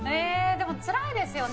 でも、つらいですよね。